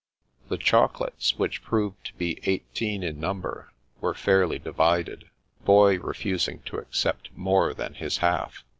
The chocolates, which proved to be eighteen in number, were fairly divided. Boy refusing to accept more than his half.